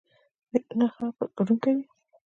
میلیونونه خلک پکې ګډون کوي.